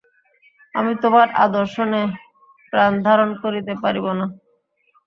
আমি তোমার অদর্শনে প্রাণধারণ করিতে পারিব না।